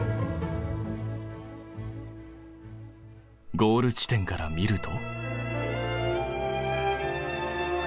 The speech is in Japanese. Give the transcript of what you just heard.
ゴール地点から見ると。